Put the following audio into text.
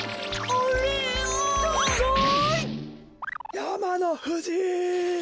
やまのふじ！